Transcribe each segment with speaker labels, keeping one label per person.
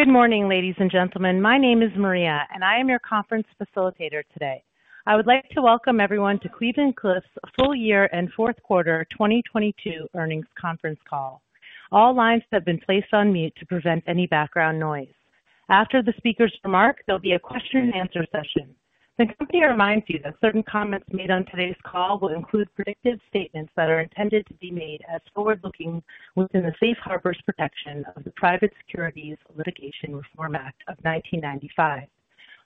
Speaker 1: Good morning, ladies and gentlemen. My name is Maria, and I am your conference facilitator today. I would like to welcome everyone to Cleveland-Cliffs Full Year and Q4 2022 Earnings Conference Call. All lines have been placed on mute to prevent any background noise. After the speaker's remark, there'll be a question and answer session. The company reminds you that certain comments made on today's call will include predictive statements that are intended to be made as forward-looking within the safe harbors protection of the Private Securities Litigation Reform Act of 1995.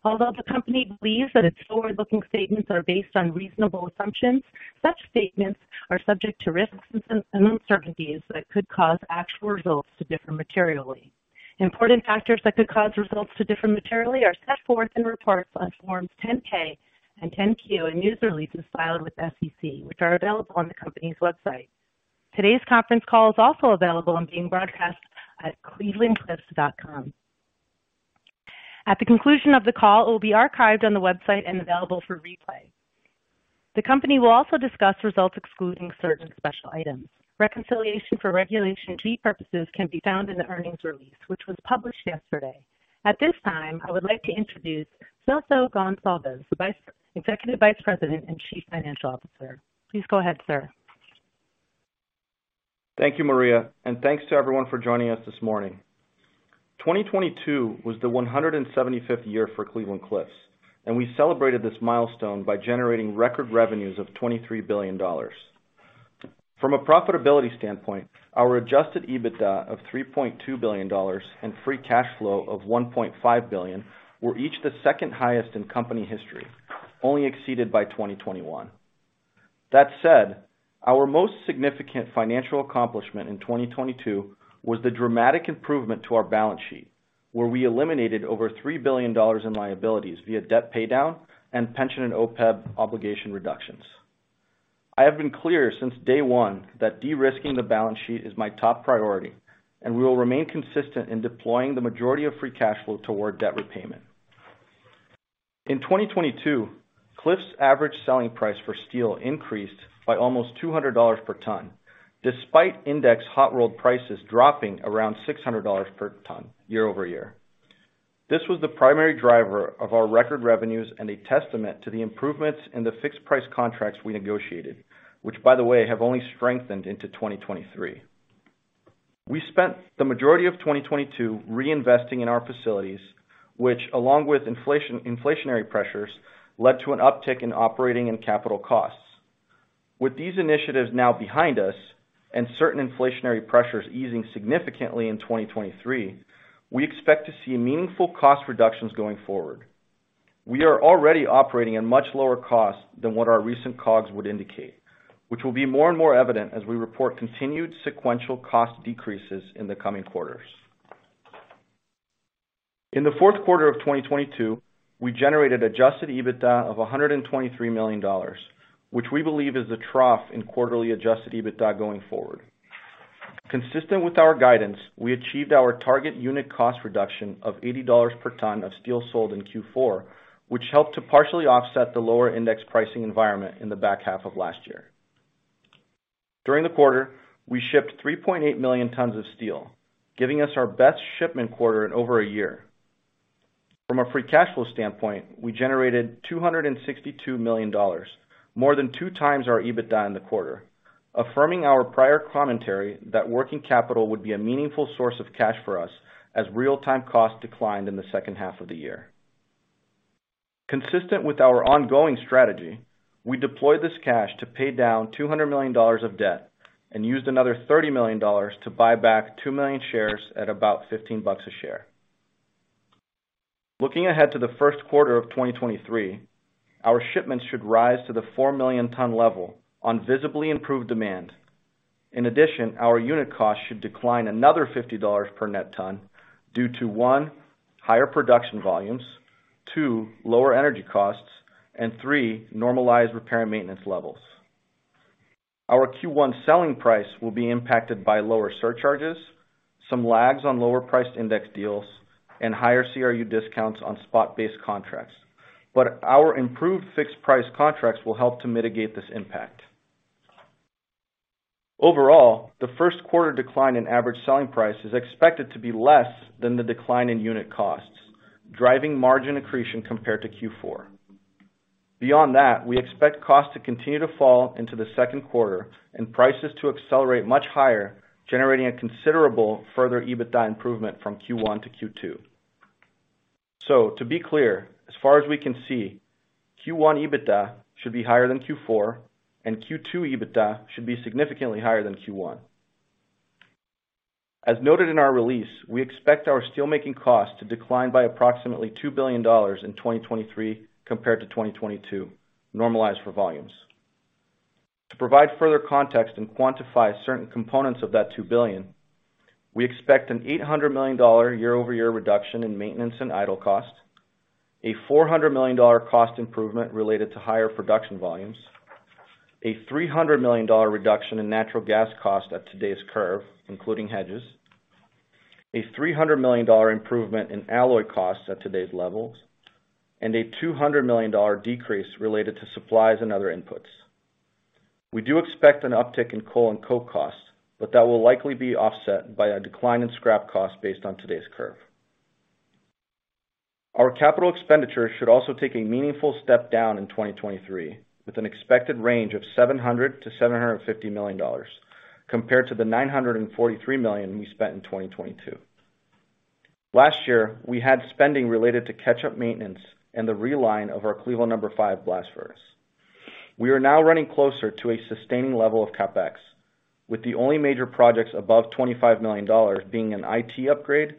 Speaker 1: Although the company believes that its forward-looking statements are based on reasonable assumptions, such statements are subject to risks and uncertainties that could cause actual results to differ materially. Important factors that could cause results to differ materially are set forth in reports on forms 10-K and 10-Q and news releases filed with SEC, which are available on the company's website. Today's conference call is also available and being broadcast at clevelandcliffs.com. At the conclusion of the call, it will be archived on the website and available for replay. The company will also discuss results excluding certain special items. Reconciliation for Regulation G purposes can be found in the earnings release, which was published yesterday. At this time, I would like to introduce Celso Goncalves, Executive Vice President and Chief Financial Officer. Please go ahead, sir.
Speaker 2: Thank you, Maria. Thanks to everyone for joining us this morning. 2022 was the 175th year for Cleveland-Cliffs, and we celebrated this milestone by generating record revenues of $23 billion. From a profitability standpoint, our adjusted EBITDA of $3.2 billion and free cash flow of $1.5 billion were each the second-highest in company history, only exceeded by 2021. That said, our most significant financial accomplishment in 2022 was the dramatic improvement to our balance sheet, where we eliminated over $3 billion in liabilities via debt paydown and pension and OPEB obligation reductions. I have been clear since day one that de-risking the balance sheet is my top priority, and we will remain consistent in deploying the majority of free cash flow toward debt repayment. In 2022, Cliffs average selling price for steel increased by almost $200 per ton, despite index hot rolled prices dropping around $600 per ton year-over-year. This was the primary driver of our record revenues and a testament to the improvements in the fixed price contracts we negotiated, which, by the way, have only strengthened into 2023. We spent the majority of 2022 reinvesting in our facilities, which along with inflationary pressures, led to an uptick in operating and capital costs. With these initiatives now behind us and certain inflationary pressures easing significantly in 2023, we expect to see meaningful cost reductions going forward. We are already operating at much lower costs than what our recent COGS would indicate, which will be more and more evident as we report continued sequential cost decreases in the coming quarters. In the Q4 of 2022, we generated adjusted EBITDA of $123 million, which we believe is the trough in quarterly adjusted EBITDA going forward. Consistent with our guidance, we achieved our target unit cost reduction of $80 per ton of steel sold in Q4, which helped to partially offset the lower index pricing environment in the back half of last year. During the quarter, we shipped 3.8 million tons of steel, giving us our best shipment quarter in over a year. From a free cash flow standpoint, we generated $262 million, more than 2 times our EBITDA in the quarter, affirming our prior commentary that working capital would be a meaningful source of cash for us as real-time costs declined in the second half of the year. Consistent with our ongoing strategy, we deployed this cash to pay down $200 million of debt and used another $30 million to buy back 2 million shares at about $15 a share. Looking ahead to the Q1 of 2023, our shipments should rise to the 4 million ton level on visibly improved demand. Our unit cost should decline another $50 per net ton due to, one, higher production volumes, two, lower energy costs, and three, normalized repair and maintenance levels. Our Q1 selling price will be impacted by lower surcharges, some lags on lower-priced index deals, and higher CRU discounts on spot-based contracts. Our improved fixed price contracts will help to mitigate this impact. Overall, the Q1 decline in average selling price is expected to be less than the decline in unit costs, driving margin accretion compared to Q4. Beyond that, we expect costs to continue to fall into the Q2 and prices to accelerate much higher, generating a considerable further EBITDA improvement from Q1 to Q2. To be clear, as far as we can see, Q1 EBITDA should be higher than Q4, and Q2 EBITDA should be significantly higher than Q1. As noted in our release, we expect our steelmaking cost to decline by approximately $2 billion in 2023 compared to 2022, normalized for volumes. To provide further context and quantify certain components of that $2 billion, we expect an $800 million year-over-year reduction in maintenance and idle cost, a $400 million cost improvement related to higher production volumes, a $300 million reduction in natural gas cost at today's curve, including hedges, a $300 million improvement in alloy costs at today's levels, and a $200 million decrease related to supplies and other inputs. We do expect an uptick in coal and coke costs, but that will likely be offset by a decline in scrap costs based on today's curve. Our capital expenditures should also take a meaningful step down in 2023, with an expected range of $700 million-$750 million, compared to the $943 million we spent in 2022. Last year, we had spending related to catch-up maintenance and the reline of our Cleveland Number Five blast furnace. We are now running closer to a sustaining level of CapEx, with the only major projects above $25 million being an IT upgrade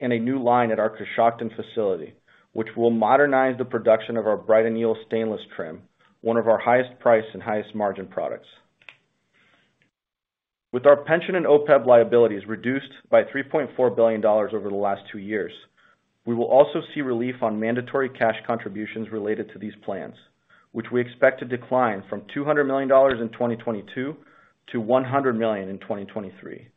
Speaker 2: and a new line at our Coshocton facility, which will modernize the production of our bright anneal stainless trim, one of our highest price and highest margin products. With our pension and OPEB liabilities reduced by $3.4 billion over the last two years, we will also see relief on mandatory cash contributions related to these plans, which we expect to decline from $200 million in 2022 to $100 million in 2023.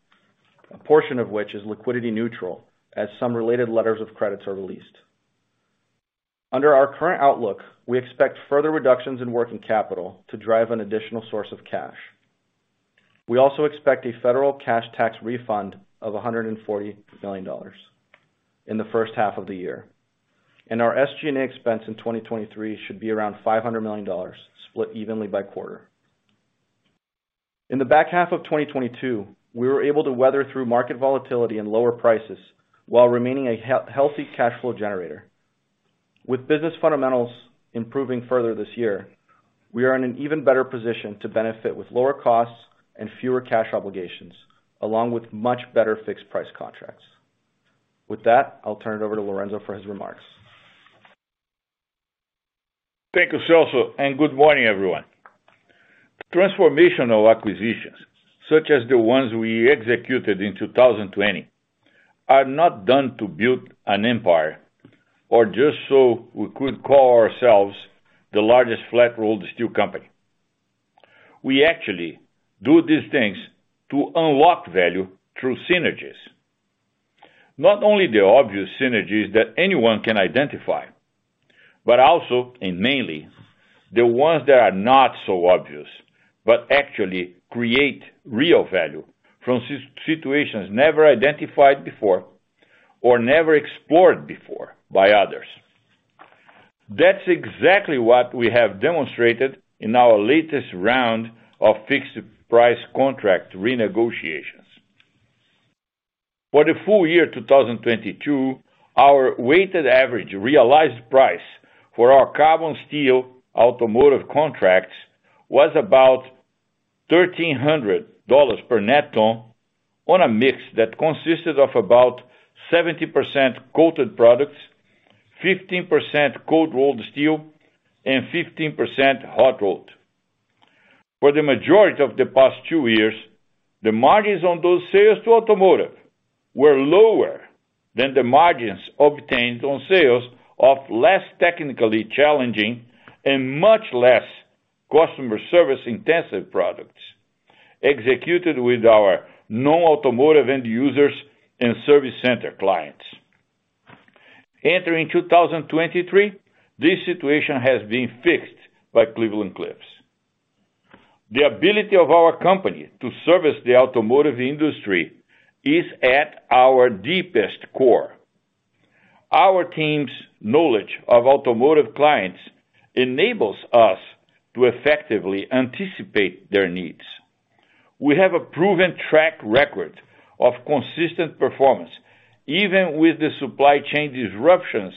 Speaker 2: A portion of which is liquidity neutral as some related letters of credits are released. Under our current outlook, we expect further reductions in working capital to drive an additional source of cash. We also expect a federal cash tax refund of $140 million in the first half of the year. Our SG&A expense in 2023 should be around $500 million, split evenly by quarter. In the back half of 2022, we were able to weather through market volatility and lower prices while remaining a healthy cash flow generator. With business fundamentals improving further this year, we are in an even better position to benefit with lower costs and fewer cash obligations, along with much better fixed price contracts. With that, I'll turn it over to Lourenco for his remarks.
Speaker 3: Thank you, Celso. Good morning, everyone. Transformational acquisitions, such as the ones we executed in 2020, are not done to build an empire or just so we could call ourselves the largest flat-rolled steel company. We actually do these things to unlock value through synergies. Not only the obvious synergies that anyone can identify, but also, and mainly, the ones that are not so obvious, but actually create real value from situations never identified before or never explored before by others. That's exactly what we have demonstrated in our latest round of fixed price contract renegotiations. For the full year 2022, our weighted average realized price for our carbon steel automotive contracts was about $1,300 per net ton on a mix that consisted of about 70% coated products, 15% cold-rolled steel, and 15% hot-rolled. For the majority of the past two years, the margins on those sales to automotive were lower than the margins obtained on sales of less technically challenging and much less customer service-intensive products, executed with our non-automotive end users and service center clients. Entering 2023, this situation has been fixed by Cleveland-Cliffs. The ability of our company to service the automotive industry is at our deepest core. Our team's knowledge of automotive clients enables us to effectively anticipate their needs. We have a proven track record of consistent performance, even with the supply chain disruptions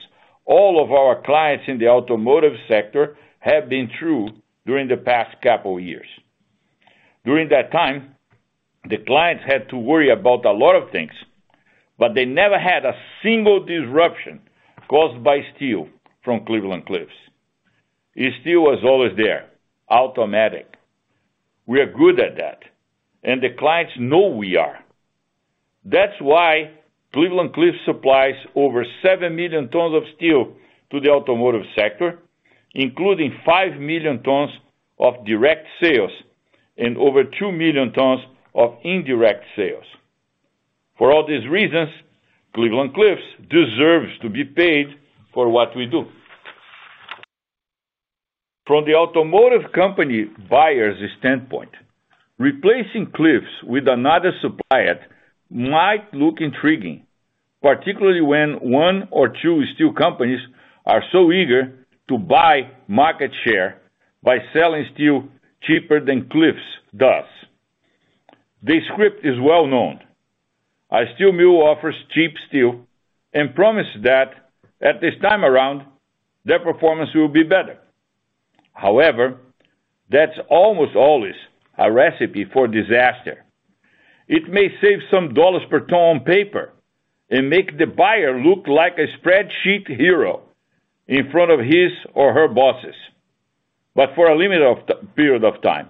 Speaker 3: all of our clients in the automotive sector have been through during the past couple years. During that time, the clients had to worry about a lot of things, but they never had a single disruption caused by steel from Cleveland-Cliffs. The steel was always there, automatic. We are good at that. The clients know we are. That's why Cleveland-Cliffs supplies over 7 million tons of steel to the automotive sector, including 5 million tons of direct sales and over 2 million tons of indirect sales. For all these reasons, Cleveland-Cliffs deserves to be paid for what we do. From the automotive company buyer's standpoint, replacing Cliffs with another supplier might look intriguing, particularly when one or two steel companies are so eager to buy market share by selling steel cheaper than Cliffs does. This script is well known. A steel mill offers cheap steel and promise that at this time around, their performance will be better. However, that's almost always a recipe for disaster. It may save some $ per ton on paper and make the buyer look like a spreadsheet hero in front of his or her bosses, but for a limit of period of time.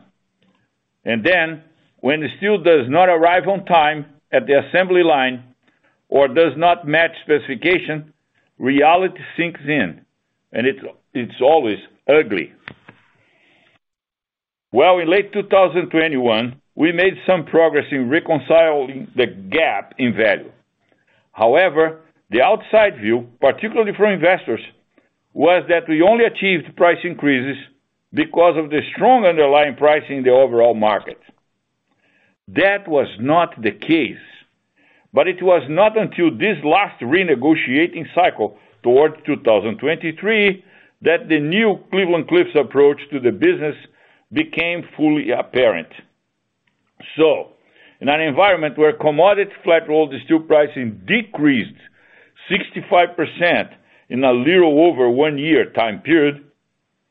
Speaker 3: When the steel does not arrive on time at the assembly line or does not match specification, reality sinks in, and it's always ugly. In late 2021, we made some progress in reconciling the gap in value. However, the outside view, particularly from investors, was that we only achieved price increases because of the strong underlying pricing in the overall market. That was not the case, it was not until this last renegotiating cycle towards 2023 that the new Cleveland-Cliffs approach to the business became fully apparent. In an environment where commodity flat-rolled steel pricing decreased 65% in a little over 1 year time period,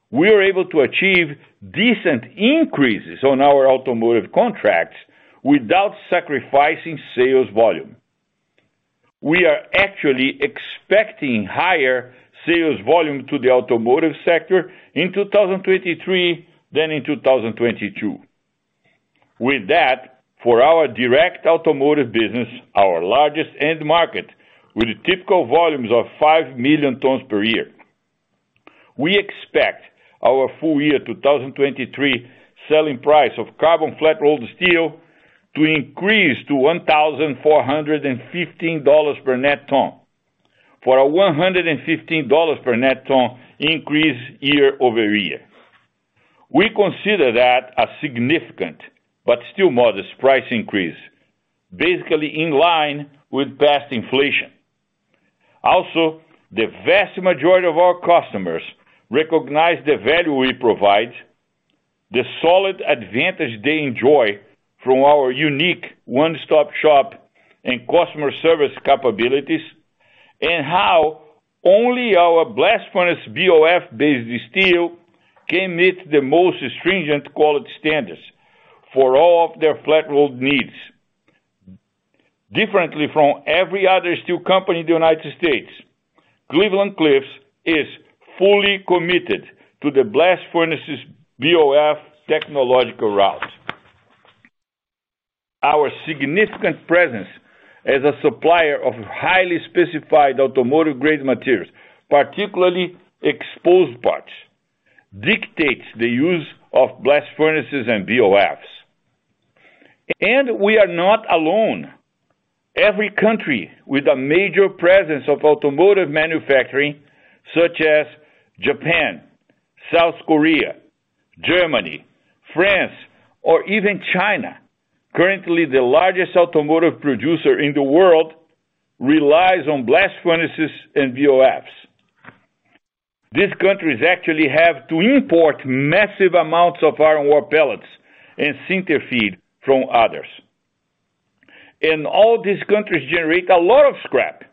Speaker 3: we were able to achieve decent increases on our automotive contracts without sacrificing sales volume. We are actually expecting higher sales volume to the automotive sector in 2023 than in 2022. With that, for our direct automotive business, our largest end market, with typical volumes of 5 million tons per year. We expect our full year 2023 selling price of carbon flat-rolled steel to increase to $1,415 per net ton. For a $115 per net ton increase year-over-year. We consider that a significant but still modest price increase, basically in line with past inflation. Also, the vast majority of our customers recognize the value we provide, the solid advantage they enjoy from our unique one-stop shop and customer service capabilities, and how only our blast furnace BOF-based steel can meet the most stringent quality standards for all of their flat road needs. Differently from every other steel company in the United States, Cleveland-Cliffs is fully committed to the blast furnaces BOF technological route. Our significant presence as a supplier of highly specified automotive grade materials, particularly exposed parts, dictates the use of blast furnaces and BOFs. We are not alone. Every country with a major presence of automotive manufacturing, such as Japan, South Korea, Germany, France, or even China, currently the largest automotive producer in the world, relies on blast furnaces and BOFs.. These countries actually have to import massive amounts of iron ore pellets and sinter feed from others, and all these countries generate a lot of scrap,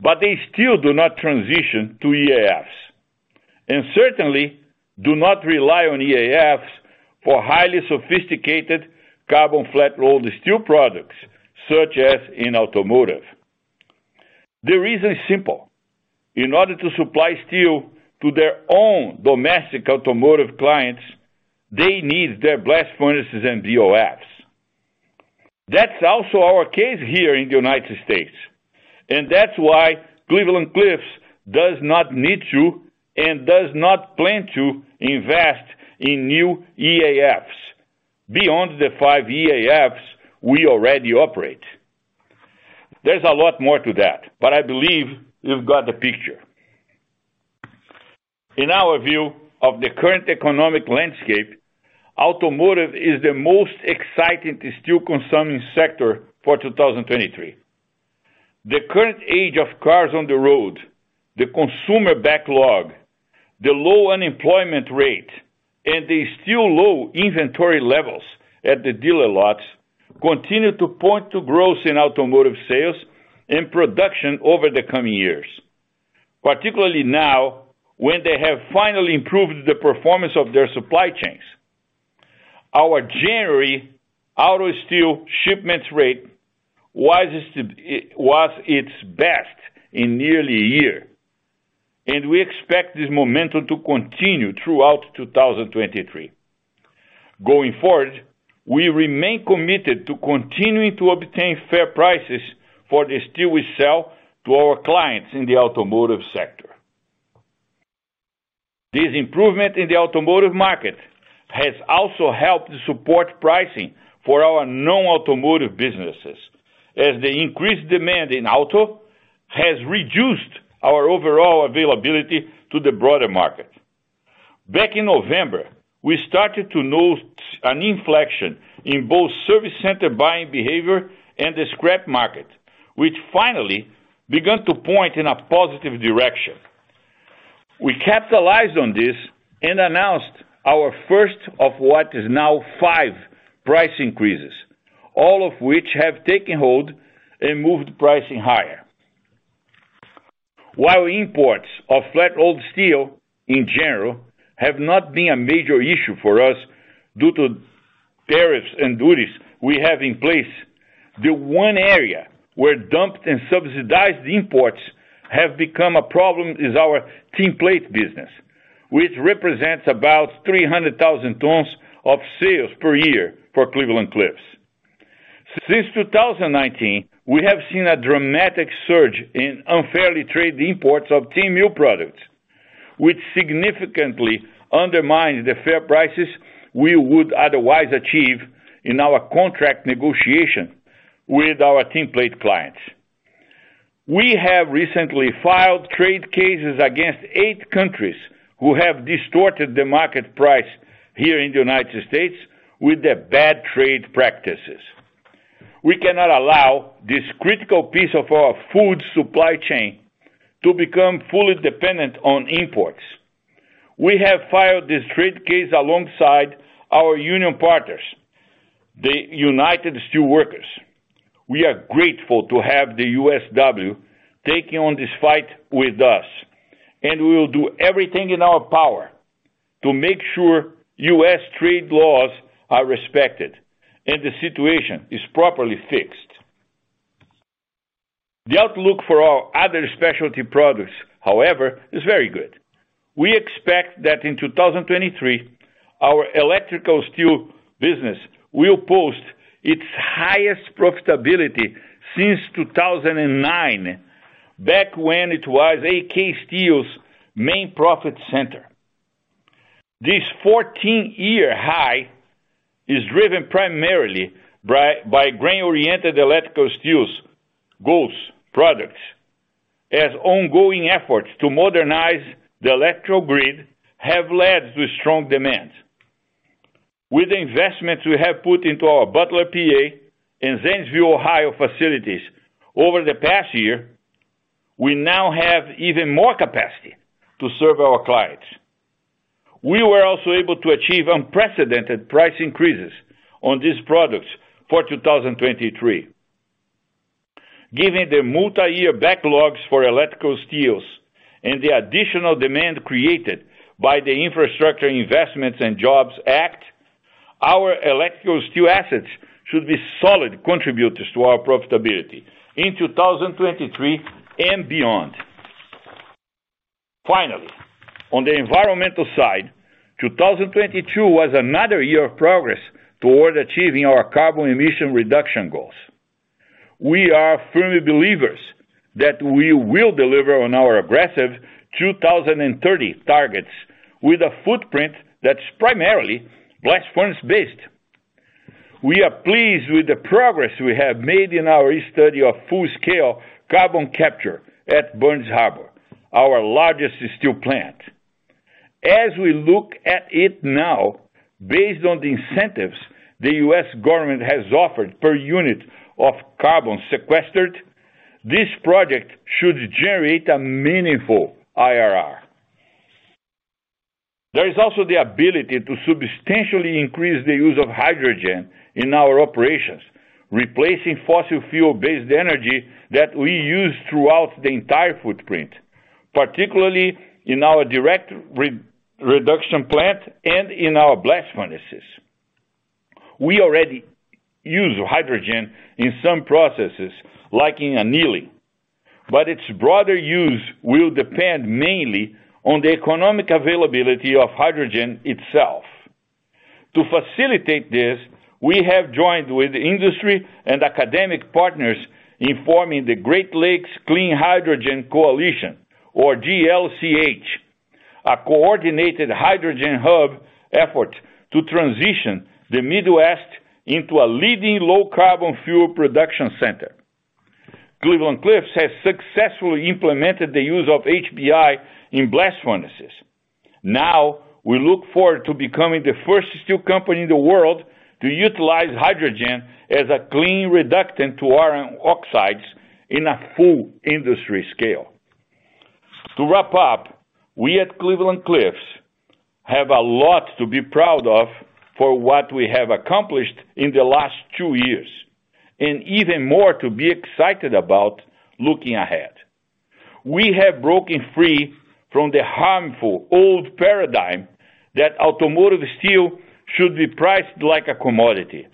Speaker 3: but they still do not transition to EAFs, and certainly do not rely on EAFs for highly sophisticated carbon flat rolled steel products, such as in automotive. The reason is simple. In order to supply steel to their own domestic automotive clients, they need their blast furnaces and BOFs. That's also our case here in the United States, and that's why Cleveland-Cliffs does not need to and does not plan to invest in new EAFs beyond the five EAFs we already operate. There's a lot more to that, but I believe you've got the picture. In our view of the current economic landscape, automotive is the most exciting steel consuming sector for 2023. The current age of cars on the road, the consumer backlog, the low unemployment rate, and the still low inventory levels at the dealer lots continue to point to growth in automotive sales and production over the coming years, particularly now, when they have finally improved the performance of their supply chains. Our January auto steel shipments rate was its best in nearly a year, and we expect this momentum to continue throughout 2023. Going forward, we remain committed to continuing to obtain fair prices for the steel we sell to our clients in the automotive sector. This improvement in the automotive market has also helped support pricing for our non-automotive businesses, as the increased demand in auto has reduced our overall availability to the broader market. Back in November, we started to note an inflection in both service center buying behavior and the scrap market, which finally began to point in a positive direction. We capitalized on this and announced our first of what is now 5 price increases, all of which have taken hold and moved pricing higher. While imports of flat rolled steel, in general, have not been a major issue for us due to tariffs and duties we have in place, the one area where dumped and subsidized imports have become a problem is our tin plate business, which represents about 300,000 tons of sales per year for Cleveland-Cliffs. Since 2019, we have seen a dramatic surge in unfairly traded imports of tin mill products, which significantly undermines the fair prices we would otherwise achieve in our contract negotiation with our tin plate clients. We have recently filed trade cases against eight countries who have distorted the market price here in the United States with their bad trade practices. We cannot allow this critical piece of our food supply chain to become fully dependent on imports. We have filed this trade case alongside our union partners, the United Steelworkers. We are grateful to have the USW taking on this fight with us, and we will do everything in our power to make sure US trade laws are respected and the situation is properly fixed. The outlook for our other specialty products, however, is very good. We expect that in 2023, our electrical steel business will post its highest profitability since 2009, back when it was AK Steel's main profit center. This 14-year high is driven primarily by grain-oriented electrical steels, GOES products, as ongoing efforts to modernize the electrical grid have led to strong demand. With the investments we have put into our Butler, PA, and Zanesville, Ohio, facilities over the past year, we now have even more capacity to serve our clients. We were also able to achieve unprecedented price increases on these products for 2023. Given the multiyear backlogs for electrical steels and the additional demand created by the Infrastructure Investment and Jobs Act, our electrical steel assets should be solid contributors to our profitability in 2023 and beyond. Finally, on the environmental side, 2022 was another year of progress toward achieving our carbon emission reduction goals. We are firmly believers that we will deliver on our aggressive 2030 targets with a footprint that's primarily blast furnace based. We are pleased with the progress we have made in our study of full-scale carbon capture at Burns Harbor, our largest steel plant. As we look at it now, based on the incentives the U.S. government has offered per unit of carbon sequestered, this project should generate a meaningful IRR. There is also the ability to substantially increase the use of hydrogen in our operations, replacing fossil fuel-based energy that we use throughout the entire footprint, particularly in our direct re-reduction plant and in our blast furnaces. We already use hydrogen in some processes, like in annealing, but its broader use will depend mainly on the economic availability of hydrogen itself. To facilitate this, we have joined with industry and academic partners in forming the Great Lakes Clean Hydrogen Coalition, or GLCH, a coordinated hydrogen hub effort to transition the Midwest into a leading low carbon fuel production center. Cleveland-Cliffs has successfully implemented the use of HBI in blast furnaces. Now we look forward to becoming the first steel company in the world to utilize hydrogen as a clean reductant to iron oxides in a full industry scale. To wrap up, we at Cleveland-Cliffs have a lot to be proud of for what we have accomplished in the last two years, and even more to be excited about looking ahead. We have broken free from the harmful old paradigm that automotive steel should be priced like a commodity.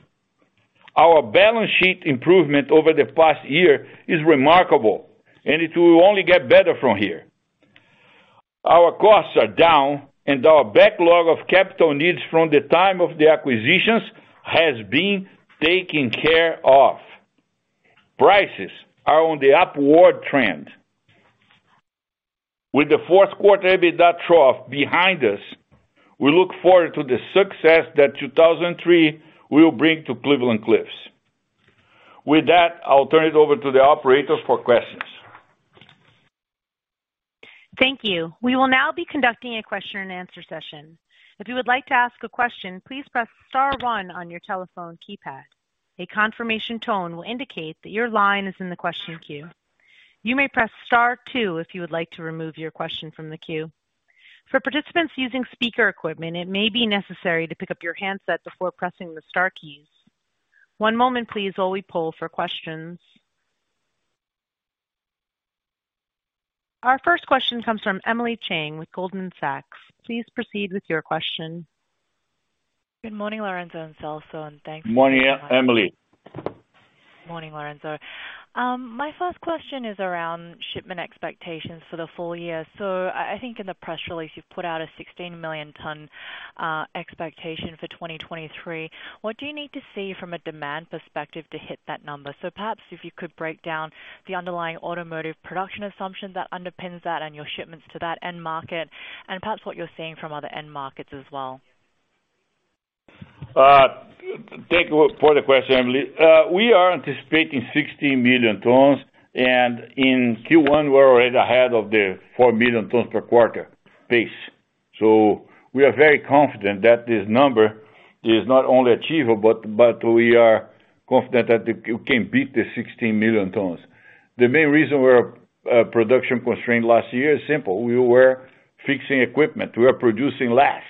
Speaker 3: Our balance sheet improvement over the past year is remarkable, and it will only get better from here. Our costs are down and our backlog of capital needs from the time of the acquisitions has been taken care of. Prices are on the upward trend. With the Q4 EBITDA trough behind us, we look forward to the success that 2003 will bring to Cleveland-Cliffs. With that, I'll turn it over to the operator for questions.
Speaker 1: Thank you. We will now be conducting a question and answer session. If you would like to ask a question, please press star one on your telephone keypad. A confirmation tone will indicate that your line is in the question queue. You may press star two if you would like to remove your question from the queue. For participants using speaker equipment, it may be necessary to pick up your handset before pressing the star keys. One moment please while we poll for questions. Our first question comes from Emily Chieng with Goldman Sachs. Please proceed with your question.
Speaker 4: Good morning, Lourenco and Celso.
Speaker 3: Morning, Emily.
Speaker 4: Morning, Lourenco. My first question is around shipment expectations for the full year. I think in the press release you've put out a 16 million ton expectation for 2023. What do you need to see from a demand perspective to hit that number? Perhaps if you could break down the underlying automotive production assumption that underpins that and your shipments to that end market, and perhaps what you're seeing from other end markets as well.
Speaker 3: Thank you for the question, Emily. We are anticipating 16 million tons, and in Q1, we're already ahead of the 4 million tons per quarter pace. We are very confident that this number is not only achievable, but we are confident that it can beat the 16 million tons. The main reason we're production constrained last year is simple. We were fixing equipment. We are producing less,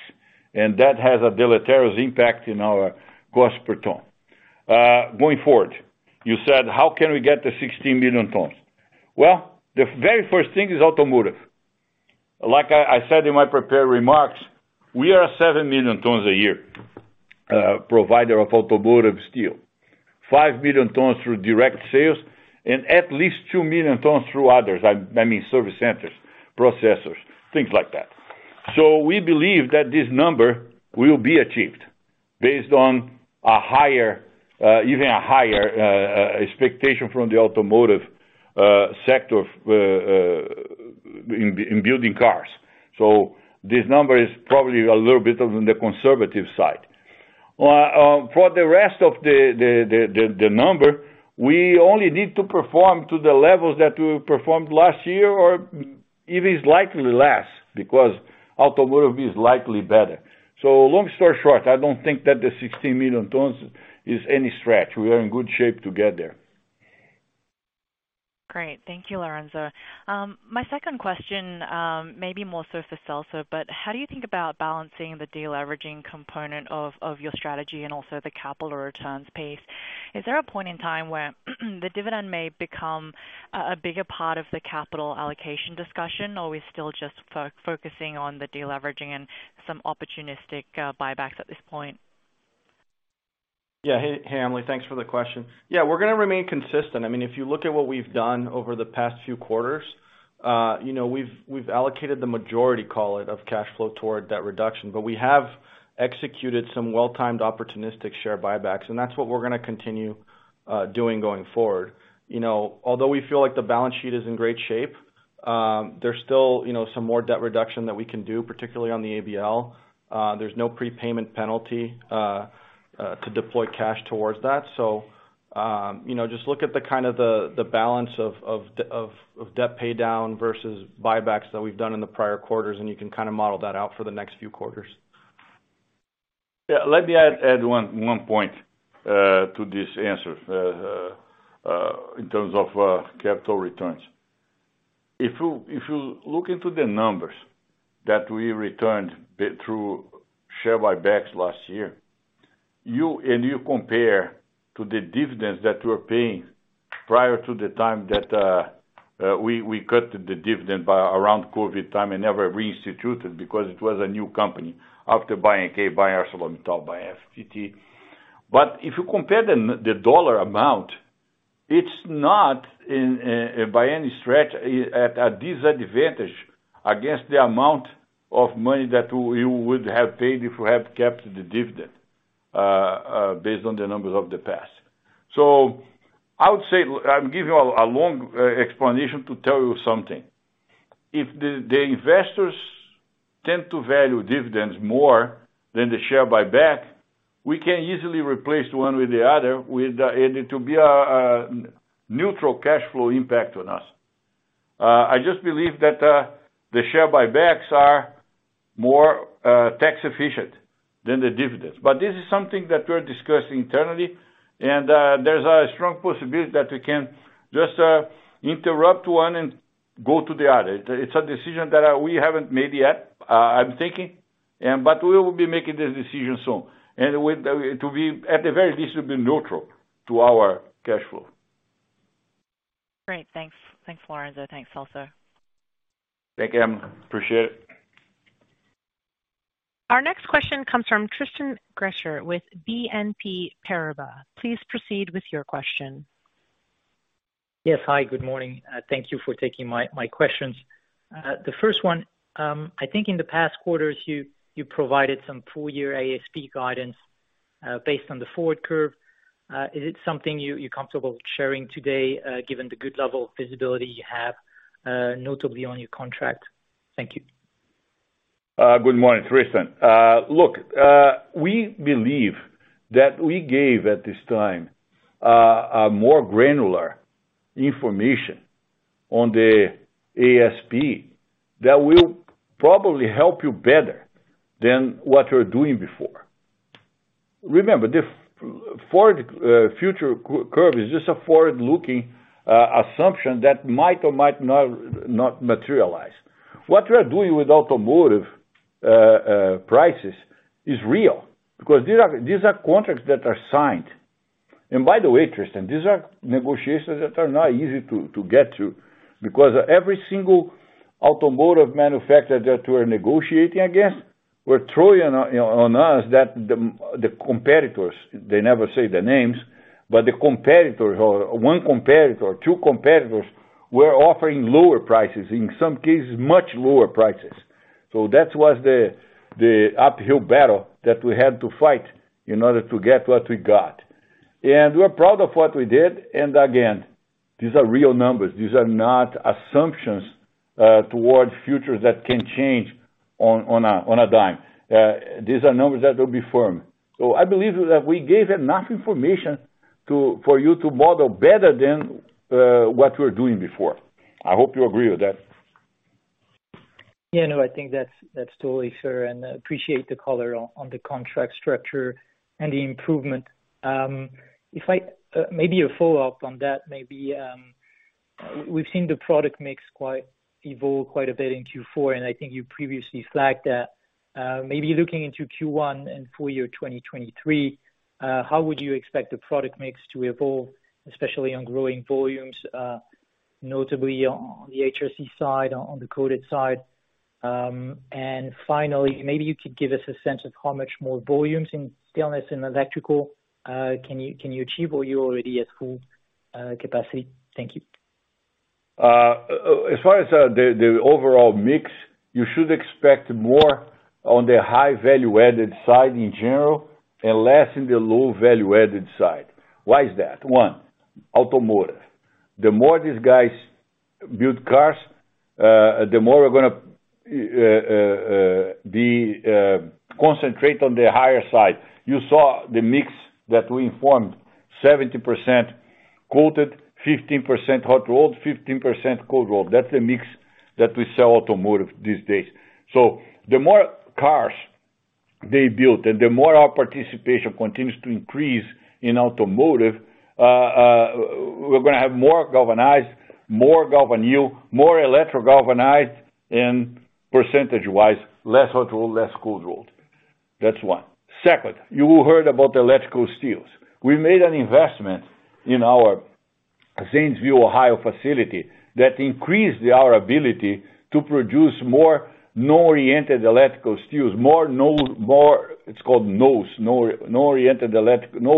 Speaker 3: and that has a deleterious impact in our cost per ton. Going forward, you said, how can we get to 16 million tons? The very first thing is automotive. Like I said in my prepared remarks, we are 7 million tons a year provider of automotive steel. 5 million tons through direct sales and at least 2 million tons through others. I mean, service centers, processors, things like that. We believe that this number will be achieved based on a higher, even a higher, expectation from the automotive sector of in building cars. This number is probably a little bit on the conservative side. For the rest of the number, we only need to perform to the levels that we performed last year or even is likely less because automotive is likely better. Long story short, I don't think that the 16 million tons is any stretch. We are in good shape to get there.
Speaker 4: Great. Thank you, Lourenco. My second question, may be more so for Celso, how do you think about balancing the de-leveraging component of your strategy and also the capital returns pace? Is there a point in time where the dividend may become a bigger part of the capital allocation discussion, or are we still just focusing on the de-leveraging and some opportunistic buybacks at this point?
Speaker 2: Yeah. Hey, hey, Emily. Thanks for the question. Yeah, we're gonna remain consistent. I mean, if you look at what we've done over the past few quarters, you know, we've allocated the majority call it of cash flow toward debt reduction. We have executed some well-timed opportunistic share buybacks, and that's what we're gonna continue doing going forward. You know, although we feel like the balance sheet is in great shape, there's still, you know, some more debt reduction that we can do, particularly on the ABL. There's no prepayment penalty to deploy cash towards that. Just look at the kind of the balance of debt pay down versus buybacks that we've done in the prior quarters, and you can kind of model that out for the next few quarters.
Speaker 3: Yeah. Let me add one point to this answer in terms of capital returns. If you look into the numbers that we returned through share buybacks last year, and you compare to the dividends that we're paying prior to the time that we cut the dividend by around COVID time and never reinstituted because it was a new company after buying AK Steel, buying ArcelorMittal, buying FPT. If you compare the dollar amount, it's not in by any stretch at a disadvantage against the amount of money that we would have paid if we had kept the dividend based on the numbers of the past. I would say I'm giving you a long explanation to tell you something. If the investors tend to value dividends more than the share buyback, we can easily replace one with the other with and it to be a neutral cash flow impact on us. I just believe that the share buybacks are more tax efficient than the dividends. This is something that we're discussing internally, and there's a strong possibility that we can just interrupt one and go to the other. It's a decision that we haven't made yet, I'm thinking, and but we will be making this decision soon. With the to be, at the very least, to be neutral to our cash flow.
Speaker 4: Great. Thanks. Thanks, Lourenco. Thanks, Celso.
Speaker 3: Thank you. Appreciate it.
Speaker 1: Our next question comes from Tristan Gresser with BNP Paribas. Please proceed with your question.
Speaker 5: Yes. Hi, good morning. Thank you for taking my questions. The first one, I think in the past quarters, you provided some full year ASP guidance, based on the forward curve. Is it something you're comfortable sharing today, given the good level of visibility you have, notably on your contract? Thank you.
Speaker 3: Good morning, Tristan. Look, we believe that we gave, at this time, a more granular information on the ASP that will probably help you better than what you're doing before. Remember, the forward future curve is just a forward-looking assumption that might or might not materialize. What we're doing with automotive prices is real because these are contracts that are signed. By the way, Tristan, these are negotiations that are not easy to get to because every single automotive manufacturer that we're negotiating against, we're throwing on us that the competitors, they never say the names, but the competitors or one competitor, two competitors were offering lower prices, in some cases, much lower prices. That was the uphill battle that we had to fight in order to get what we got. And we're proud of what we did. Again, these are real numbers. These are not assumptions, towards futures that can change on a dime. These are numbers that will be firm. I believe that we gave enough information for you to model better than what we're doing before. I hope you agree with that.
Speaker 5: Yeah, no, I think that's totally fair, and I appreciate the color on the contract structure and the improvement. Maybe a follow-up on that, maybe, we've seen the product mix quite evolve quite a bit in Q4, and I think you previously flagged that. Maybe looking into Q1 and full year 2023, how would you expect the product mix to evolve, especially on growing volumes, notably on the HRC side, on the coated side? Finally, maybe you could give us a sense of how much more volumes in stainless and electrical, can you achieve or you're already at full capacity. Thank you.
Speaker 3: As far as the overall mix, you should expect more on the high value-added side in general and less in the low value-added side. Why is that? One, automotive. The more these guys build cars, the more we're gonna concentrate on the higher side. You saw the mix that we informed, 70% coated, 15% hot-rolled, 15% cold-rolled. That's the mix that we sell automotive these days. The more cars they build and the more our participation continues to increase in automotive, we're gonna have more galvanized, more galvanneal, more electro galvanized, and percentage-wise, less hot-rolled, less cold-rolled. That's one. Second, you heard about electrical steels. We made an investment in our Zanesville, Ohio, facility that increased our ability to produce more no-oriented electrical steels. More... It's called NOES, no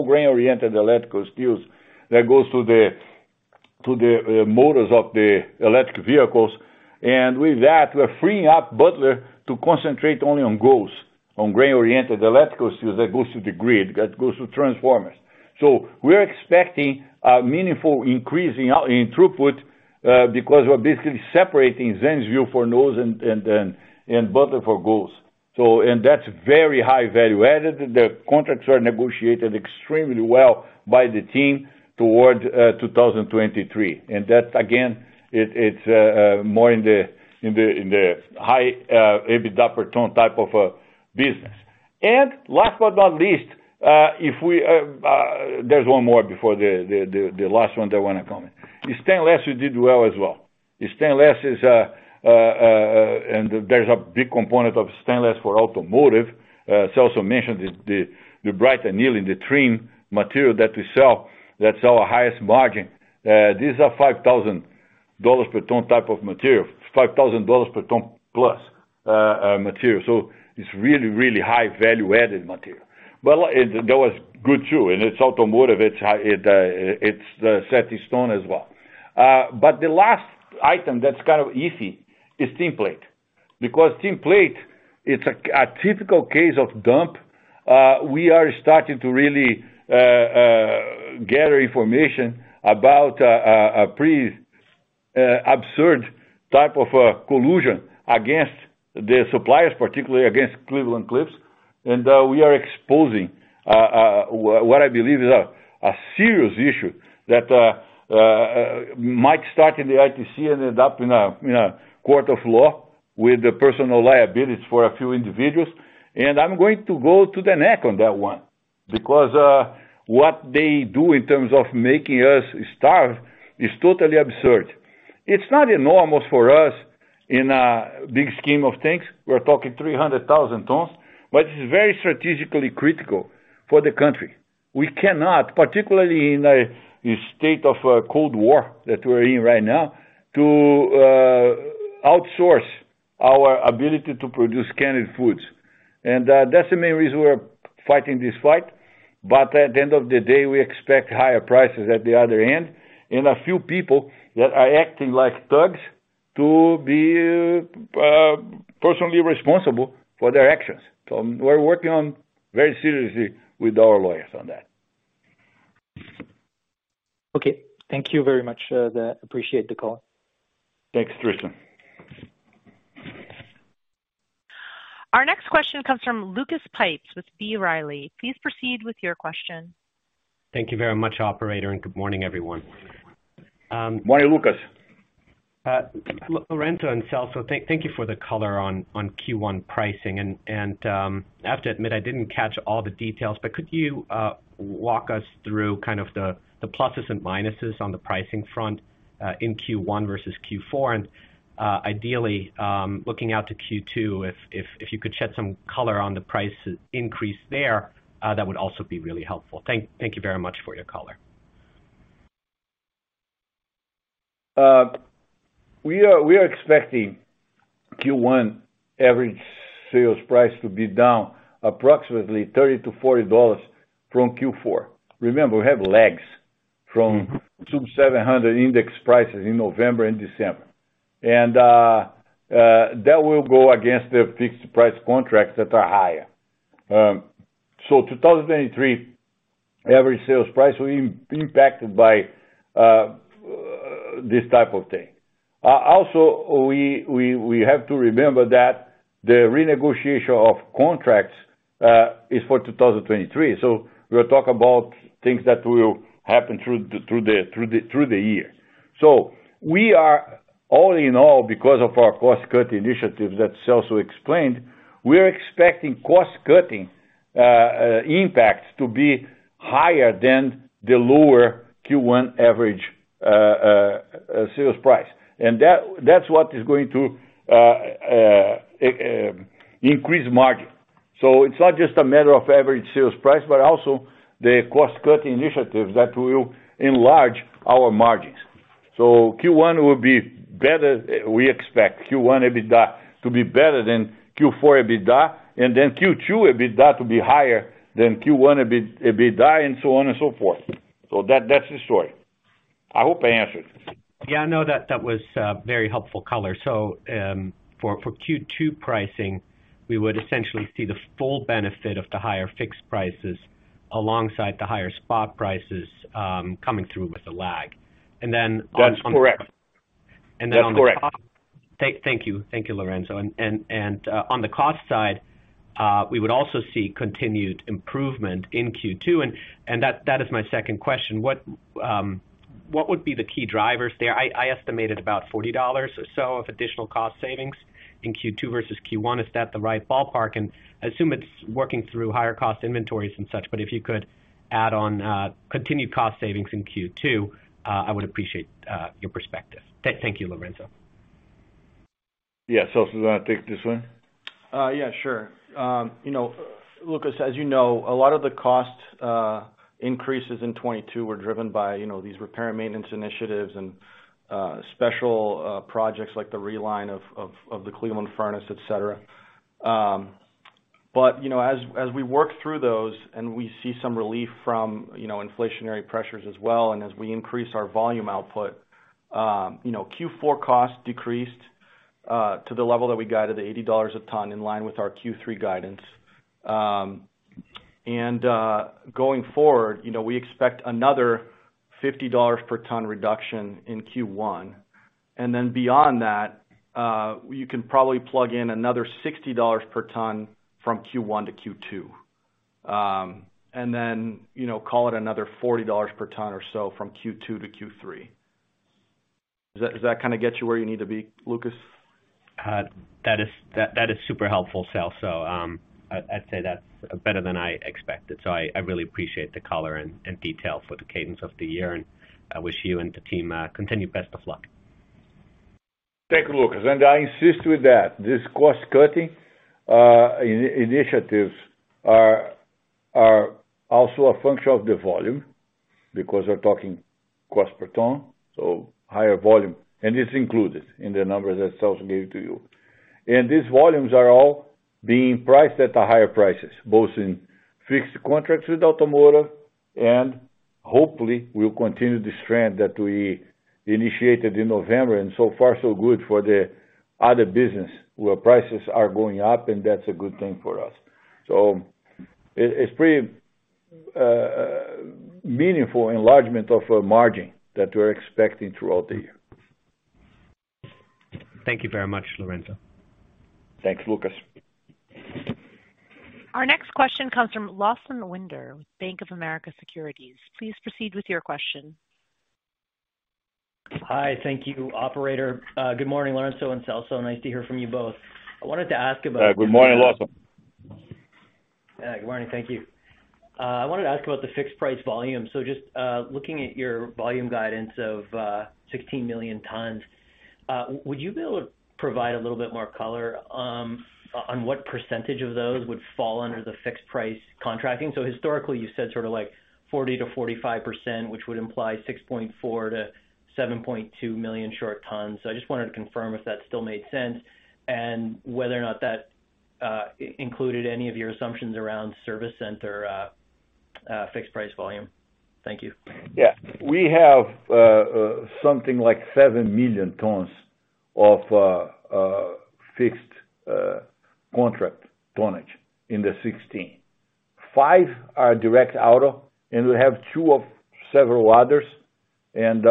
Speaker 3: grain-oriented electrical steels that goes to the motors of the electric vehicles. With that, we're freeing up Butler to concentrate only on GOES, on grain-oriented electrical steels that goes to the grid, that goes to transformers. We're expecting a meaningful increase in throughput because we're basically separating Zanesville for NOES and Butler for GOES. That's very high value-added. The contracts are negotiated extremely well by the team toward 2023. That, again, it's more in the high EBITDA per ton type of a business. Last but not least, there's one more before the last one that I wanna comment. The stainless, we did well as well. The stainless is, there's a big component of stainless for automotive. Celso mentioned the bright annealing, the trim material that we sell. That's our highest margin. These are $5,000 per ton type of material. $5,000 per ton plus material. It's really high value-added material. That was good too, and it's automotive, it's high, it's setting stone as well. The last item that's kind of iffy is tin plate. Tin plate, it's a typical case of dump. We are starting to really gather information about a pretty absurd type of a collusion against the suppliers, particularly against Cleveland-Cliffs. We are exposing what I believe is a serious issue that might start in the ITC and end up in a court of law with the personal liabilities for a few individuals. I'm going to go to the neck on that one, because what they do in terms of making us starve is totally absurd. It's not enormous for us in a big scheme of things. We're talking 300,000 tons, but it's very strategically critical for the country. We cannot, particularly in a state of a cold war that we're in right now, to outsource our ability to produce canned foods. That's the main reason we're fighting this fight. At the end of the day, we expect higher prices at the other end, and a few people that are acting like thugs to be personally responsible for their actions. We're working on very seriously with our lawyers on that.
Speaker 5: Thank you very much. I appreciate the call.
Speaker 3: Thanks, Tristan.
Speaker 1: Our next question comes from Lucas Pipes with B. Riley. Please proceed with your question.
Speaker 6: Thank you very much, operator, and good morning, everyone.
Speaker 3: Morning, Lucas.
Speaker 6: Lourenco and Celso, thank you for the color on Q1 pricing. I have to admit I didn't catch all the details, but could you walk us through kind of the pluses and minuses on the pricing front in Q1 versus Q4? Ideally, looking out to Q2, if you could shed some color on the price increase there, that would also be really helpful. Thank you very much for your color.
Speaker 3: We are expecting Q1 average sales price to be down approximately $30-$40 from Q4. Remember, we have lags from sub 700 index prices in November and December. That will go against the fixed price contracts that are higher. 2023 average sales price will be impacted by this type of thing. Also, we have to remember that the renegotiation of contracts is for 2023. We'll talk about things that will happen through the year. We are all in all because of our cost-cutting initiatives that Celso explained, we are expecting cost-cutting impacts to be higher than the lower Q1 average sales price. That's what is going to increase margin. It's not just a matter of average sales price, but also the cost-cutting initiatives that will enlarge our margins. Q1 will be better. We expect Q1 EBITDA to be better than Q4 EBITDA, and then Q2 EBITDA to be higher than Q1 EBITDA and so on and so forth. That's the story. I hope I answered.
Speaker 6: Yeah, no, that was very helpful color. For Q2 pricing, we would essentially see the full benefit of the higher fixed prices alongside the higher spot prices, coming through with the lag. On.
Speaker 3: That's correct.
Speaker 6: And then on the cost-
Speaker 3: That's correct.
Speaker 6: Thank you. Thank you, Lourenco. On the cost side, we would also see continued improvement in Q2. That is my second question. What would be the key drivers there? I estimated about $40 or so of additional cost savings in Q2 versus Q1. Is that the right ballpark? I assume it's working through higher cost inventories and such, but if you could add on continued cost savings in Q2, I would appreciate your perspective. Thank you, Lourenco.
Speaker 3: Yeah. Celso, do you wanna take this one?
Speaker 2: Yeah, sure. You know, Lucas, as you know, a lot of the cost increases in 2022 were driven by, you know, these repair maintenance initiatives and special projects like the reline of the Cleveland furnace, et cetera. You know, as we work through those and we see some relief from, you know, inflationary pressures as well, and as we increase our volume output, you know, Q4 costs decreased to the level that we guided, the $80 a ton, in line with our Q3 guidance. Going forward, you know, we expect another $50 per ton reduction in Q1. Then beyond that, you can probably plug in another $60 per ton from Q1 to Q2. You know, call it another $40 per ton or so from Q2 to Q3. Does that kinda get you where you need to be, Lucas?
Speaker 6: That is, that is super helpful, Celso. I'd say that's better than I expected, so I really appreciate the color and detail for the cadence of the year, and I wish you and the team, continued best of luck.
Speaker 3: Thank you, Lucas. I insist with that. This cost-cutting initiatives are also a function of the volume because we're talking cost per ton, so higher volume, and it's included in the numbers that Celso gave to you. These volumes are all being priced at the higher prices, both in fixed contracts with automotive, and hopefully, we'll continue this trend that we initiated in November. So far, so good for the other business, where prices are going up, and that's a good thing for us. It's pretty meaningful enlargement of our margin that we're expecting throughout the year.
Speaker 6: Thank you very much, Lourenco.
Speaker 3: Thanks, Lucas.
Speaker 1: Our next question comes from Lawson Winder with Bank of America Securities. Please proceed with your question.
Speaker 7: Hi. Thank you, operator. Good morning, Lourenco and Celso. Nice to hear from you both. I wanted to ask about.
Speaker 3: Good morning, Lawson.
Speaker 7: Yeah. Good morning. Thank you. I wanted to ask about the fixed price volume. Just looking at your volume guidance of 16 million tons, would you be able to provide a little bit more color on what % of those would fall under the fixed price contracting? Historically, you said sort of like 40%-45%, which would imply 6.4 million-7.2 million short tons. I just wanted to confirm if that still made sense and whether or not that included any of your assumptions around service center fixed price volume. Thank you.
Speaker 3: Yeah. We have something like 7 million tons of fixed contract tonnage in the 16. 5 are direct auto, and we have two of several others and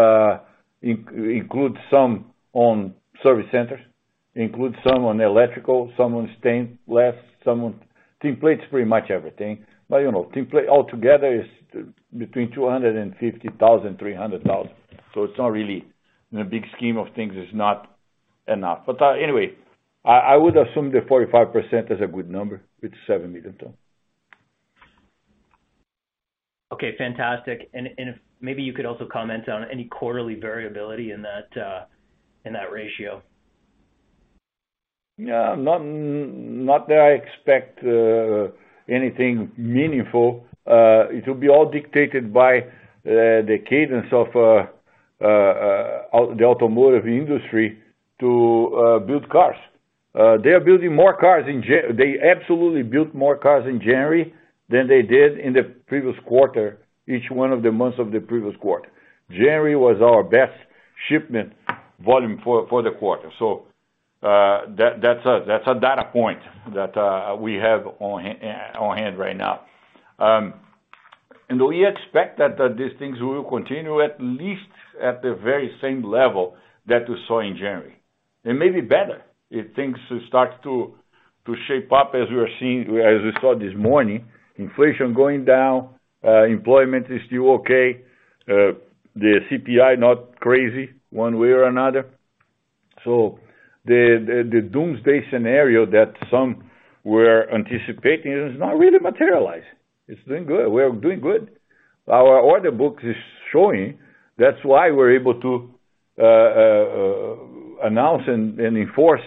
Speaker 3: includes some on service centers, includes some on electrical, some on stainless, some on tin plate, it's pretty much everything. You know, tin plate altogether is between 250,000-300,000. It's not really, in the big scheme of things, it's not enough. Anyway, I would assume the 45% is a good number. It's 7 million ton.
Speaker 7: Okay, fantastic. If maybe you could also comment on any quarterly variability in that, in that ratio.
Speaker 3: Yeah. Not that I expect anything meaningful. It will be all dictated by the cadence of the automotive industry to build cars. They are building more cars they absolutely built more cars in January than they did in the previous quarter, each one of the months of the previous quarter. January was our best shipment volume for the quarter. That's a data point that we have on hand right now. We expect that these things will continue at least at the very same level that we saw in January. It may be better if things start to shape up as we are seeing, as we saw this morning, inflation going down, employment is still okay, the CPI not crazy one way or another. The doomsday scenario that some were anticipating is not really materialized. It's doing good. We're doing good. Our order book is showing. That's why we're able to announce and enforce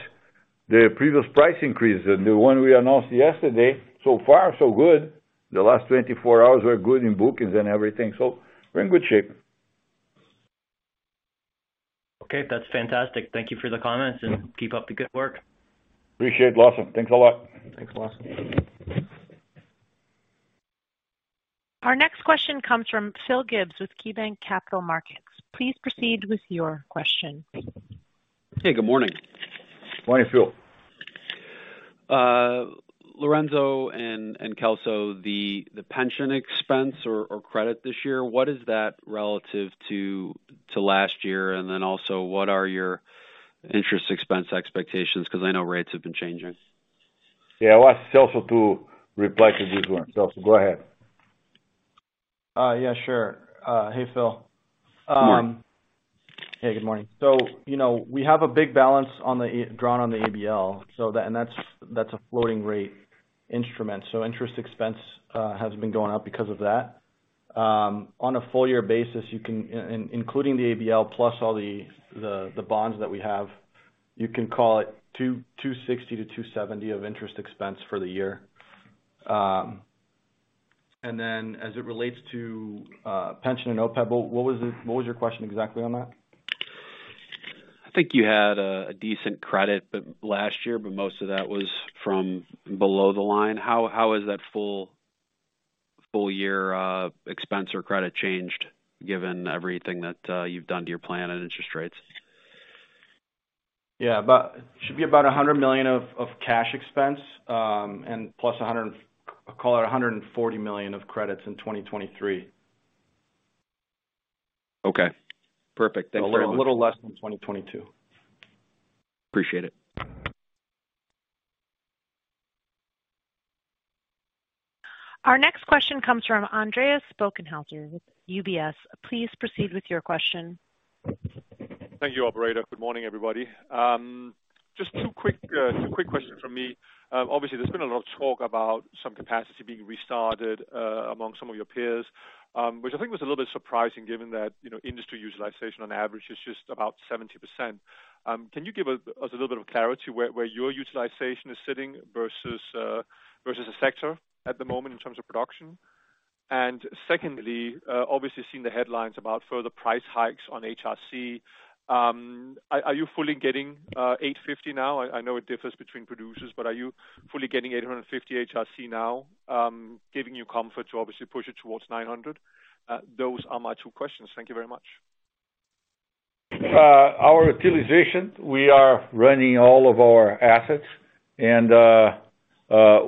Speaker 3: the previous price increase. The one we announced yesterday, so far so good. The last 24 hours were good in bookings and everything. We're in good shape.
Speaker 7: That's fantastic. Thank you for the comments and keep up the good work.
Speaker 3: Appreciate it, Lawson. Thanks a lot.
Speaker 2: Thanks, Lawson.
Speaker 1: Our next question comes from Phil Gibbs with KeyBanc Capital Markets. Please proceed with your question.
Speaker 8: Hey, good morning.
Speaker 3: Morning, Phil.
Speaker 8: Lourenco and Celso, the pension expense or credit this year, what is that relative to last year? Also, what are your interest expense expectations, 'cause I know rates have been changing?
Speaker 3: Yeah. I'll ask Celso to reply to this one. Celso, go ahead.
Speaker 2: Yeah, sure. Hey, Phil.
Speaker 8: Good morning.
Speaker 2: Hey, good morning. You know, we have a big balance drawn on the ABL, so that, and that's a floating rate instrument. Interest expense has been going up because of that. On a full year basis, you can, including the ABL plus all the bonds that we have, you can call it $260-$270 of interest expense for the year. As it relates to pension and OPEB, what was your question exactly on that?
Speaker 8: I think you had a decent credit last year, but most of that was from below the line. How has that full year expense or credit changed given everything that you've done to your plan and interest rates?
Speaker 2: Yeah. It should be about $100 million of cash expense, and plus $140 million of credits in 2023.
Speaker 8: Okay. Perfect. Thank you.
Speaker 2: A little less than 2022.
Speaker 8: Appreciate it.
Speaker 1: Our next question comes from Andreas Bokkenheuser with UBS. Please proceed with your question.
Speaker 9: Thank you, operator. Good morning, everybody. Just two quick questions from me. Obviously there's been a lot of talk about some capacity being restarted among some of your peers, which I think was a little bit surprising given that, you know, industry utilization on average is just about 70%. Can you give us a little bit of clarity where your utilization is sitting versus the sector at the moment in terms of production? Secondly, obviously seeing the headlines about further price hikes on HRC. Are you fully getting $850 now? I know it differs between producers, but are you fully getting $850 HRC now, giving you comfort to obviously push it towards $900? Those are my two questions. Thank you very much.
Speaker 3: Our utilization, we are running all of our assets and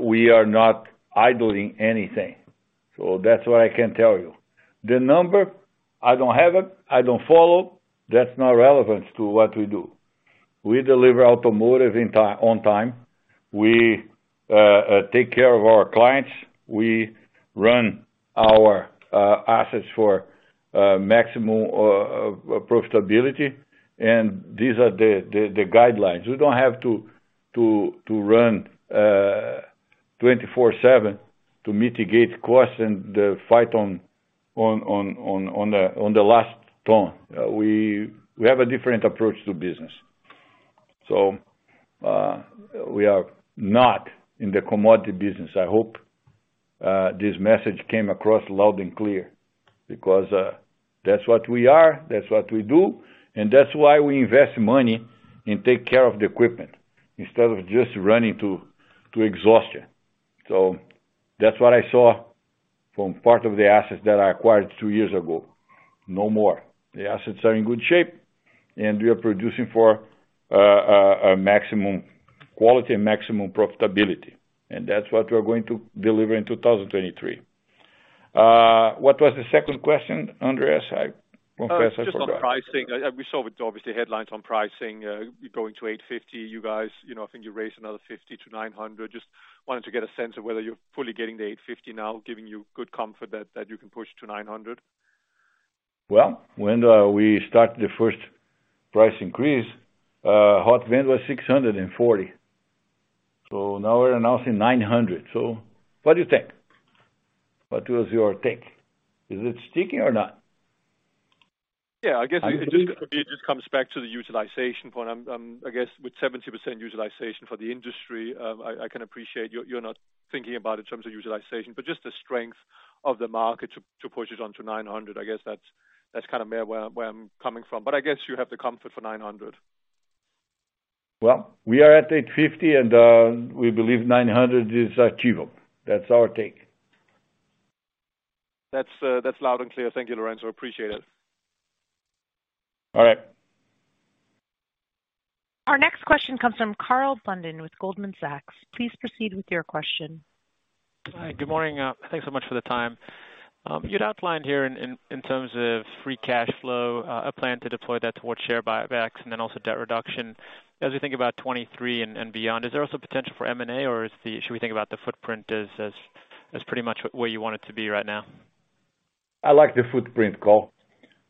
Speaker 3: we are not idling anything. That's what I can tell you. The number, I don't have it, I don't follow. That's not relevant to what we do. We deliver automotive on time. We take care of our clients. We run our assets for maximum profitability, and these are the guidelines. We don't have to run 24/7 to mitigate costs and the fight on the last ton. We have a different approach to business. We are not in the commodity business. I hope this message came across loud and clear, because that's what we are, that's what we do, and that's why we invest money and take care of the equipment instead of just running to exhaustion. That's what I saw from part of the assets that I acquired two years ago. No more. The assets are in good shape, and we are producing for a maximum quality and maximum profitability. That's what we're going to deliver in 2023. What was the second question, Andreas? I confess I forgot.
Speaker 9: Just on pricing. We saw with obviously headlines on pricing, going to $850. You guys, you know, I think you raised another $50 to $900. Just wanted to get a sense of whether you're fully getting the $850 now, giving you good comfort that you can push to $900.
Speaker 3: When we start the first price increase, hot band was $640. Now we're announcing $900. What do you think? What was your take? Is it sticking or not?
Speaker 9: Yeah. I guess it just comes back to the utilization point. I'm I guess with 70% utilization for the industry, I can appreciate you're not thinking about in terms of utilization, but just the strength of the market to push it on to $900. I guess that's kind of where I'm coming from. I guess you have the comfort for $900.
Speaker 3: Well, we are at $850 and we believe $900 is achievable. That's our take.
Speaker 9: That's loud and clear. Thank you, Lourenco. Appreciate it.
Speaker 3: All right.
Speaker 1: Our next question comes from Karl Blunden with Goldman Sachs. Please proceed with your question.
Speaker 10: Hi. Good morning. Thanks so much for the time. You'd outlined here in terms of free cash flow, a plan to deploy that towards share buybacks and then also debt reduction. As we think about 23 and beyond, is there also potential for M&A, or should we think about the footprint as pretty much where you want it to be right now?.I like the footprint, Karl.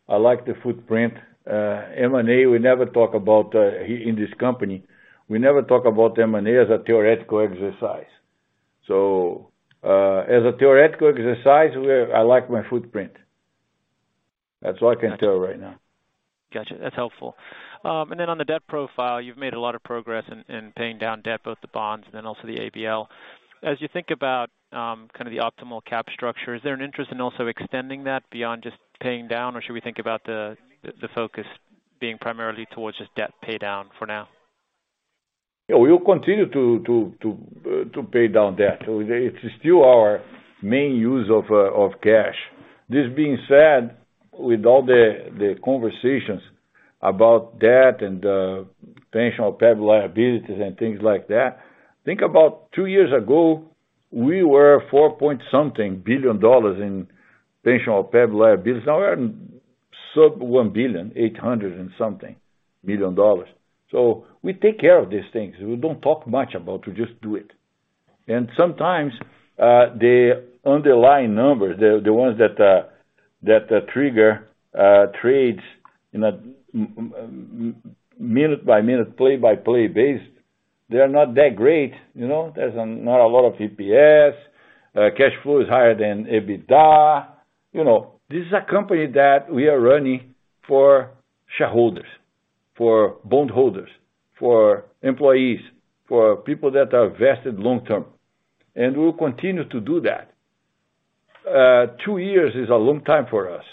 Speaker 10: I like the footprint. M&A, we never talk about in this company. We never talk about M&A as a theoretical exercise. As a theoretical exercise, I like my footprint. That's all I can tell right now. Gotcha. That's helpful. On the debt profile, you've made a lot of progress in paying down debt, both the bonds and then also the ABL. As you think about, kinda the optimal cap structure, is there an interest in also extending that beyond just paying down, or should we think about the focus being primarily towards just debt pay down for now?
Speaker 3: Yeah, we will continue to pay down debt. It's still our main use of cash. This being said, with all the conversations about debt and pension or OPEB liabilities and things like that, think about two years ago, we were $4 point something billion in pension or OPEB liabilities. Now we're sub $1 billion, $800 and something million. We take care of these things. We don't talk much about, we just do it. Sometimes, the underlying numbers, the ones that trigger trades in a minute by minute, play by play basis, they're not that great, you know? There's not a lot of EPS. Cash flow is higher than EBITDA. You know, this is a company that we are running for shareholders, for bondholders, for employees, for people that are vested long term, and we'll continue to do that. Two years is a long time for us.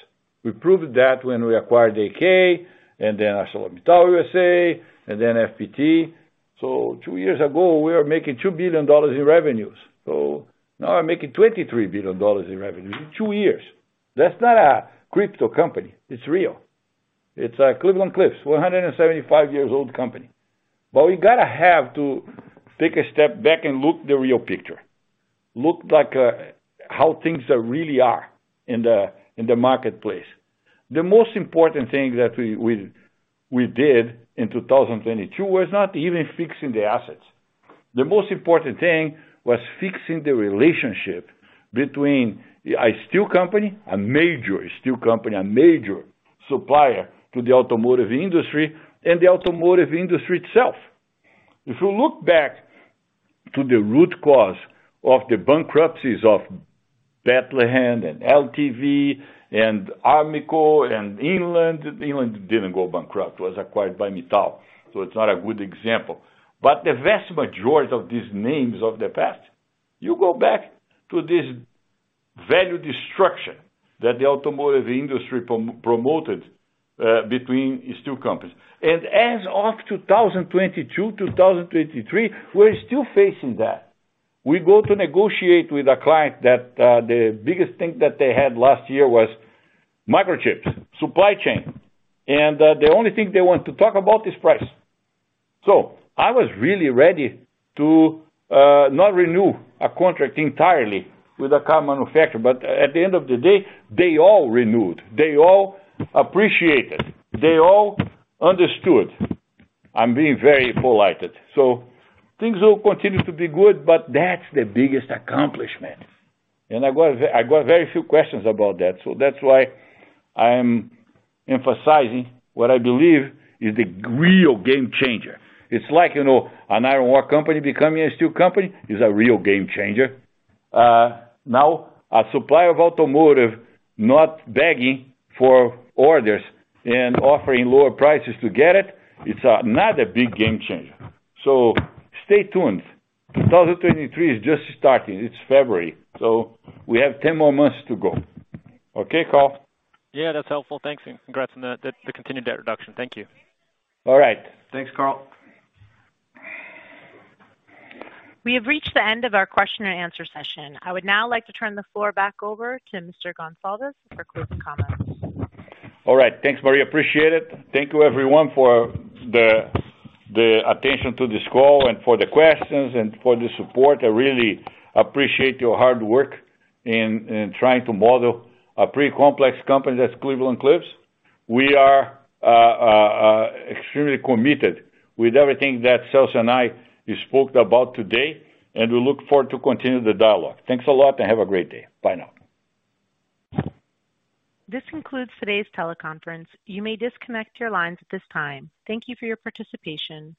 Speaker 3: We proved that when we acquired AK and then ArcelorMittal USA and then FPT. Two years ago, we were making $2 billion in revenues. Now we're making $23 billion in revenue, in two years. That's not a crypto company. It's real. It's Cleveland-Cliffs, 175 years old company. We gotta have to take a step back and look the real picture. Look like how things really are in the marketplace. The most important thing that we did in 2022 was not even fixing the assets. The most important thing was fixing the relationship between a steel company, a major steel company, a major supplier to the automotive industry, and the automotive industry itself. If you look back to the root cause of the bankruptcies of Bethlehem and LTV and Armco and Inland. Inland didn't go bankrupt, it was acquired by Mittal, so it's not a good example. The vast majority of these names of the past, you go back to this value destruction that the automotive industry promoted between steel companies. As of 2022, 2023, we're still facing that. We go to negotiate with a client that, the biggest thing that they had last year was microchips, supply chain, and the only thing they want to talk about is price. I was really ready to not renew a contract entirely with a car manufacturer, but at the end of the day, they all renewed. They all appreciated. They all understood. I'm being very polite. Things will continue to be good, but that's the biggest accomplishment. I got very few questions about that, so that's why I'm emphasizing what I believe is the real game changer. It's like, you know, an iron ore company becoming a steel company is a real game changer. Now a supplier of automotive not begging for orders and offering lower prices to get it's another big game changer. Stay tuned. 2023 is just starting. It's February, so we have 10 more months to go. Okay, Karl?
Speaker 10: Yeah, that's helpful. Thanks, congrats on the continued debt reduction. Thank you.
Speaker 3: All right.
Speaker 9: Thanks, Karl.
Speaker 1: We have reached the end of our question and answer session. I would now like to turn the floor back over to Mr. Goncalves for closing comments.
Speaker 3: All right. Thanks, Maria. Appreciate it. Thank you everyone for the attention to this call and for the questions and for the support. I really appreciate your hard work in trying to model a pretty complex company that's Cleveland-Cliffs. We are extremely committed with everything that Celso and I, we spoke about today. We look forward to continue the dialogue. Thanks a lot and have a great day. Bye now.
Speaker 1: This concludes today's teleconference. You may disconnect your lines at this time. Thank you for your participation.